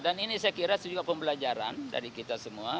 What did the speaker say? dan ini saya kira juga pembelajaran dari kita semua